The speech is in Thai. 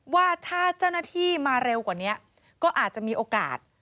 ว่าถ้าเจ้าหน้าที่มาเร็วกว่านี้ก็อาจจะมีโอกาส